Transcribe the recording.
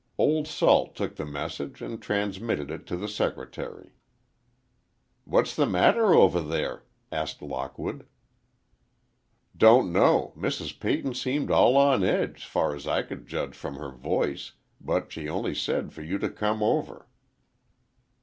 Old Salt took the message, and transmitted it to the secretary. "What's the matter over there?" asked Lockwood. "Don't know. Mrs. Peyton seemed all on edge, 's far's I could judge from her voice—but she only said for you to come over."